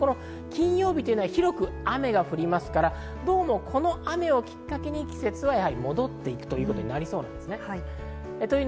金曜日は広く雨が降りますから、この雨をきっかけに季節は戻っていくということになりそうです。